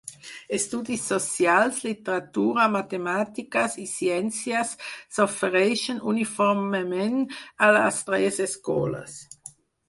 Estudis Socials, Literatura, Matemàtiques i Ciències s'ofereixen uniformement a les tres escoles.